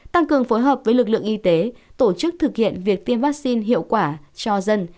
tăng cường phối hợp với lực lượng y tế tổ chức thực hiện việc tiêm vaccine hiệu quả cho dân